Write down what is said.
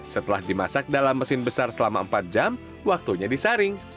setelah dimasak dalam mesin besar selama empat jam waktunya disaring